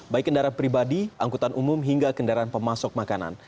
baik kendaraan pribadi angkutan umum hingga kendaraan pemasok makanan